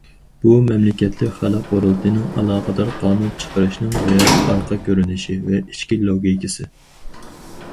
بۇ، مەملىكەتلىك خەلق قۇرۇلتىيىنىڭ ئالاقىدار قانۇن چىقىرىشنىڭ رېئال ئارقا كۆرۈنۈشى ۋە ئىچكى لوگىكىسى.